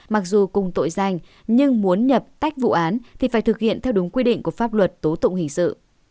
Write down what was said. mặc dù cùng tội danh nhưng muốn nhập tách vụ án thì phải thực hiện theo đúng quy định của pháp luật tố tụng hình sự